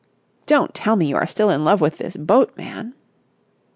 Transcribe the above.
"Don't tell me you are still in love with this boat man?"